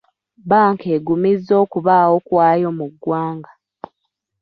Bbanka eggumizza okubaawo kwayo mu ggwanga.